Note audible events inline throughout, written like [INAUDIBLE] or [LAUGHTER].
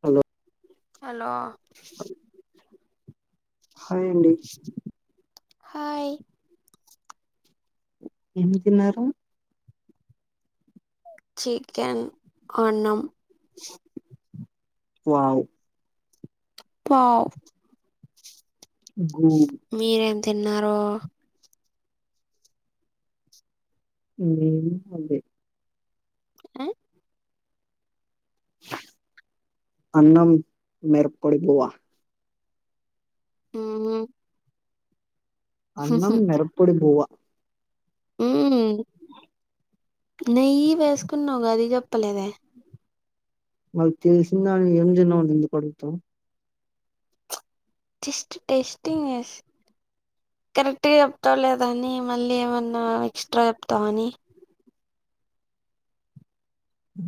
Hello hello హాయ్ండి hi ఏం తిన్నారు చికెన్ అన్నం వావ్ పావ్ గు మీరేం తిన్నారు అదే ఆ అన్నం మిరుపోడి బువ్వా మ్మ్ అన్నం హుహు మిరపోడి బువ్వ మ్ నెయ్యి వేసుకున్నావు కదా అది చెప్పలేదే మరి తెలిసిందానివి ఏం తిన్నావు అని ఎందుకు అడుగుతావు జస్ట్ టేస్టింగ్ చేస్తున్న కరెక్ట్గా చెప్తావా లేదా అని మళ్ళీ ఏమన్నా ఎక్స్ట్రా చెప్తావని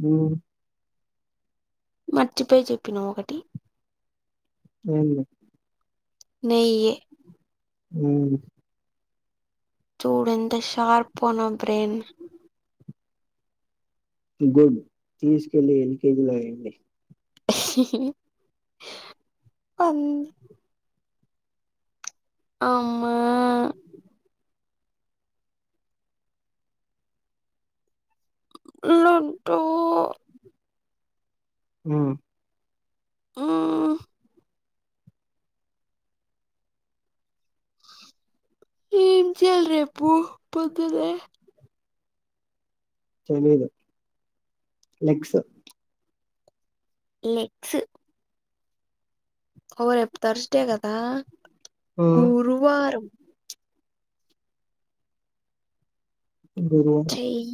ఉ మర్చిపోయి చెప్పినవ్ ఒకటి ఏం లే నెయ్యి ఉ చూడు ఎంత షార్పో నా బ్రెయిన్ గుడ్ తీసుకెళ్ళి ఎన్ని కేజీలో వెయ్యండి అ అమ్మ లడ్డూ ఉ ఊ ఏం చేయాల్ రేపు పొద్దున్నే తెలీదు లెగ్స్ లెగ్స్ ఓ రేప్పు తర్స్డే కదా మ్మ్ గురువారం గురు చేయ్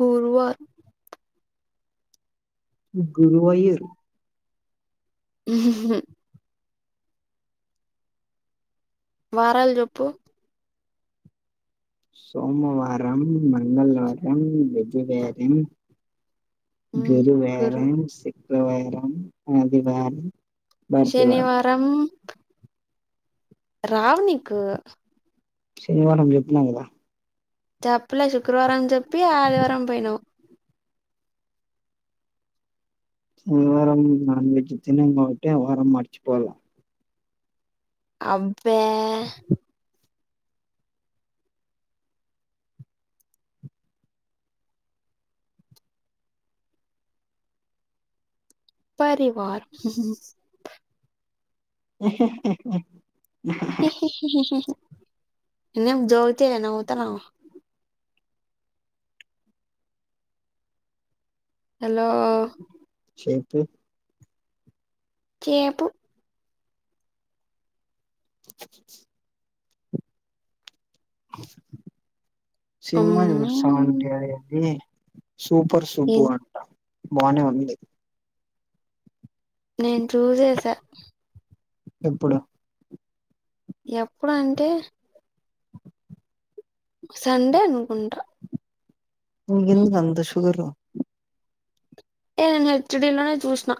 గురువార్ గురువైయూర్ ఉహు వారాలు చెప్పు సోమవారం మంగళవారం బుధవారం ఉమ్, గురు గురువారం శుక్రవారం ఆదివారం భారతివారం శనివారం రావు నీకు శనివారం చెప్పిన కదా చెప్పలే శుక్రవారం అని చెప్పి ఆదివారం పోయినావ్ బుధవారం నాన్ వెజ్ తిన్నాం కాబట్టి ఆ వారం మడిచిపోలే అబ్బే పరివార్ ఏ హే హే హే ఇ ఇ ఇదేమన్నా జోక్ నవ్వుతున్నావ్ హలో చెప్పు కేపు సినిమా చూస్తావా అంటే అమ్మ్. అది సూపర్ సుబ్బు ఏం- అంట బానే ఉంది నేను చూసేసా ఎప్పుడు ఎప్పుడు అంటే సండే అనుకుంటా నీకు ఎందుకు అంత షుగర్ ఏ నేను హెచ్ డి లోనే చూసిన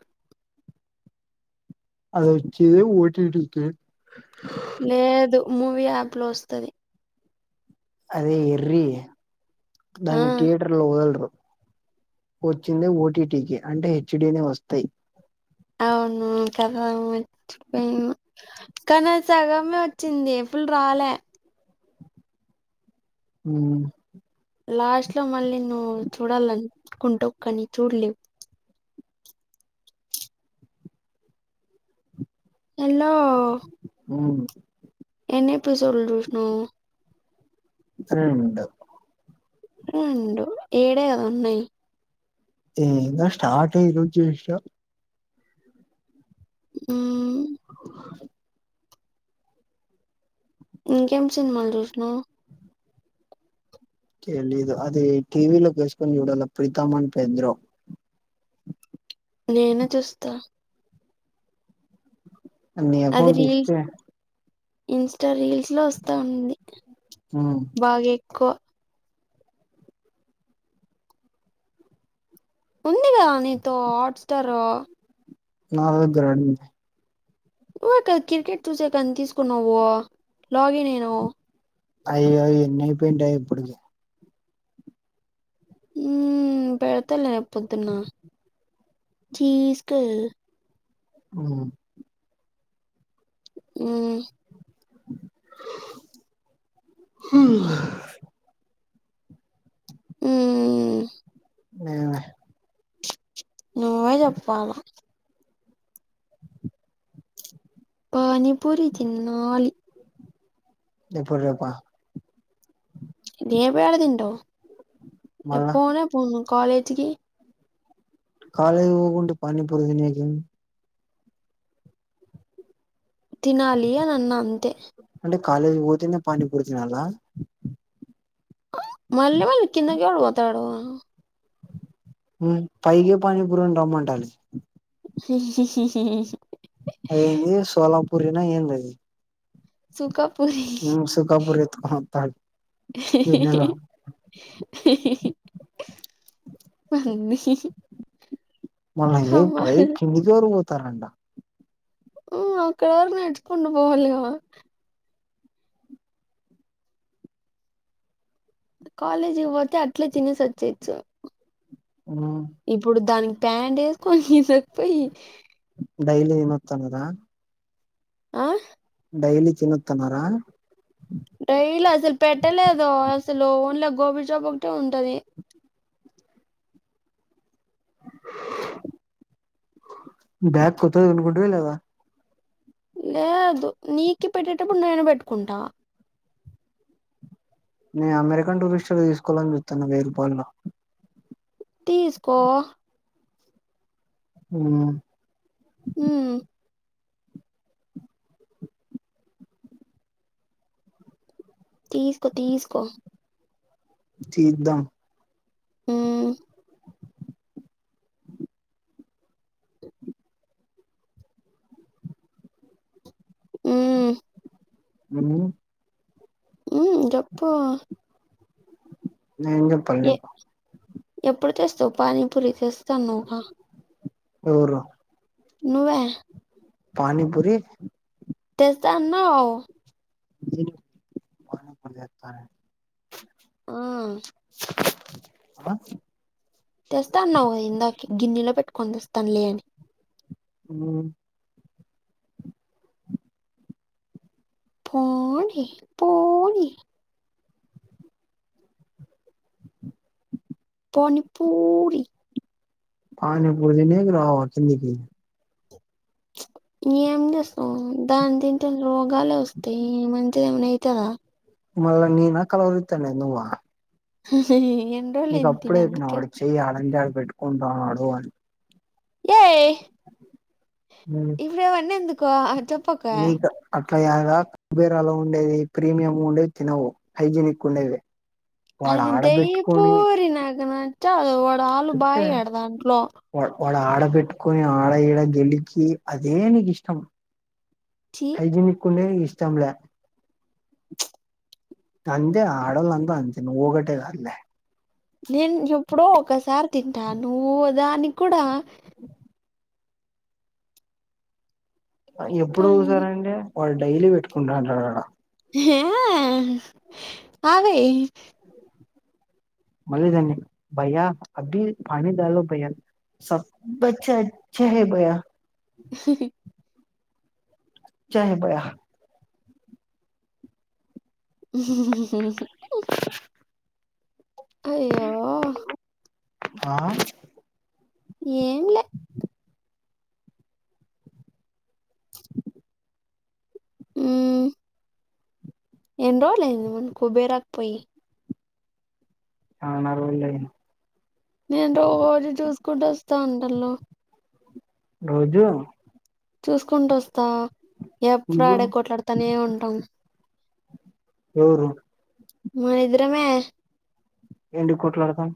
అది వచ్చేదే ఓటీటీకి లేదు మూవీ యాప్ లో వస్తది అదే ఎర్రి ఆ దాన్ని థియేటర్ లో వదలరు వచ్చింది ఓటీటీకి అంటే హెచ్ డీనే వస్తాయి అవును కదా మర్చిపోయాను కథ సగమే వచ్చింది ఫుల్లు రాలే ఉ లాస్ట్ లో మళ్ళీ నిన్ను చూడాల అనుకుంటూ కాని చూడలేవు హలో ఉ ఎన్ని ఎపిసోడ్లు చూసినవు రెండు ఉండు ఏడే కదా ఉండేది ఇంకా స్టార్ట్ అయింది వచ్చేసిన ఉ ఇంకేం సినిమాలు చూసినవ్ తెలియదు అది టీవీ లో వేసుకొని చూడాల ప్రీతా ఫైండ్ పేంద్ర నీనే చూస్తా నీ అది అకౌంట్ రీల్స్ ఇస్తే ఇన్స్టా రీల్స్ ఇంట్లో వస్తా ఉంది ఉమ్ బాగా ఎక్కువ ఉంది గా నీతో హాట్స్టారూ నా అగ్గర అన్ని ఆర్కే క్రికెట్ చూసేతన్కి తీస్కున్నావ్వు లాగిన్ అయినవూ అయ్ అయ్ ఎన్ని అయిపోయింటయి ఇప్పటికీ హామ్ పెడ్తలే పొద్దున్న ధీస్కెళ్ళు ఉ ఉమ్ హ ఉమ్ ఎమే నువ్వే చెప్పాల పనీపూరి తిన్నాలి ఇప్పుడ్ రేప ఎబాయల తింటావ్ ఎ మళ్ళా పోనే పోను కాలేజికి కాలేజ్ వోకుంటే పనిపూరి తినే తినాలి అని అన్న అంతే అంటే కాలేజీ వోతేనే పనిపూరి తినలా మళ్ళీ మళ్ళ కిందకెవాడు వోతాడూ ఉ పైకె పనిపురోని రమ్మంటాలే అదింది సోలంపూరినా ఏంది అది సుకా పురి సుఖాపూరి ఎత్తుకొని వత్తాడు గిన్నెలో పని మాల్ ఏం పై కిందికేవరు వోతారంట ఆ అక్కడ వర్కు నడ్చుకుంట పోవాలి గా కాలేజికి వోతే అట్లే తినేసి ఒచ్చేచ్చు ఆ ఇప్పుడు దానికి టైమ్ తీస్కొని ఇందక్ పోయి డైలీ విమత్ గదా ఆ డైలీ తినతిన్నారా డైలీ అసల్ పెట్టలేదు ఓన్లీ ఆ గోబీ షాప్ ఒక్టి ఉంటంది బ్యాగ్ కొత్తదికొనుకింటివ లేదా లేదు నీకి పెట్టేటప్పుడు నేను బెట్టుకుంటా నే అమెరికన్ టూరిస్టుగా తీస్కోవాలని జుతున్న వెయి రూపాలు తీస్కో ఉ ఉమ్ తీస్కో తీస్కో తీద్దాం ఉ ఊ ఉహు ఉ జప్పు నేగ్ డ్ ఎ ఎప్పుడు తెస్తావు్ పానీపూరి తెస్తాన్వగా ఎవరు నువ్వే పని పూరి తెస్తాన్నావ్ తిను పానీపూరి తెత ఆ అ తెస్తానున్నావ్వు ఇందాకే గిన్నెలో పెట్టుకొని తెస్తాను లే అని ఉ పోనీ పుని పనీపూరి పని పూరి తినేకి రావ కిందికి ఏమి చేస్తాం దాని తింటే రోగాలే వస్తాయి మంచిది ఏమన్నా ఐతదా మళ్ల్ నీనా నా కలవరితానే నువ్వ హ ఎన్ నీక్ అప్పుడే చెప్పిన వడు చెయ్యి యడంటే అడా పెట్టుకుంటున్నాడు అని ఎయ్ హ ఇపుడావన్నెందుకు అ చెప్ నికా అట్లా గా కుబేరాలో ఉండేది ప్రీమియంగ ఉండేది తినవు హైజనిక్ ఉండేది వాడు అది దయ ఆడబెట్టుకొని పూరి నాకు నాచదు వాడు ఆలు బయడుదంట్లో వాడు ఆడ పెట్టుకుని ఆడ ఈడ గెలికి అదే నీకు ఇష్టం చి హైజీనిక్ ఉండేది ఇష్టంలే అంతే ఆడూల్ అంత అంతే నువ్వు ఒకటే కాదు లే నేను ఎప్పుడో ఒకసారి తింటా నువ్దానికి కూడా పం- ఎప్పుడుఓసారంటే వాడ్ డైలీ పెట్టుకుంటు ఉంటాడు ఆడ హ అవి మళ్ళీ దాంని బయ్యా అభి పాని డాలో భైయా సబ్చ్చ అచ్చా హ బయ్య హ్మ్ హ్మ్ ఆచ హే బయా హ్మ్ హ్మ్ హ్మ్ అయ్యో ఆ ఏం ఆ ఎన్ రోళ్లయింది మన్ కుబేరాకిపోయి చానా రోజులైంది మేం రోజు చూసుకుంట వస్తా అంటన్నావ్ రోజూ చూసుకుంటూ వస్తా ఎప్పుడూ నువ్వు ఆడే కొట్లాడుతానే ఉంటాం ఎవరు మే ఇద్దరమే ఎందుకు కొట్లాడతాం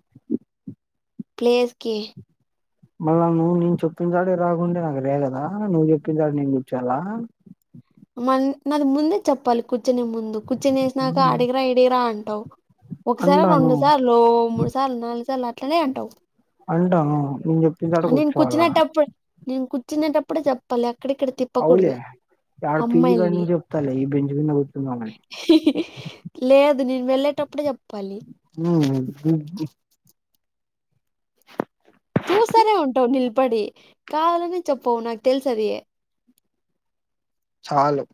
ప్లేస్ కి మళ్ళా నువ్వు నేను చెప్పిన కాడే రాకుండే నాకు రేగదా నువ్వు చెప్పిన కాడ నేను కూర్చోలా మన్ నాది ముందే చెప్పాలి కూర్చునే ముం కుచ్చునేసినాక ఆడగిరా ఈడగిరా అంటావు ఒకసారా అంటాను వంద సార్ లో మూడు సార్లు నాలుగు సార్లు అట్లనే అంటావు అంటాను నేను చెప్పిన కాడ నేను కూర్చోవాల కూర్చునేటప్పుడు నేను కూర్చునేటప్పుడే చెప్పాలి అక్కడిక్కడ తి ఔలే యాడ పి జీ లో నుంచి చెప్తాలే ఈ బెంచి మింద కూచుందాం అని లేదు నేను వెళ్ళేటప్పుడు చెప్పాలి [UNINTELLIGIBLE] చూస్తానే ఉంటావు నిల్పడి కావాలనే చెప్పవు నాకు తెలుసు అది చాలు